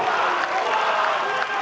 tidak tidak tidak